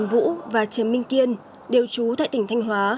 vũ và trần minh kiên đều trú tại tỉnh thanh hóa